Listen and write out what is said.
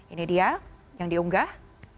ini dia yang diunggah